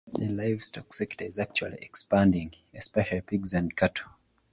The livestock sector is actually expanding, especially pigs and cattle.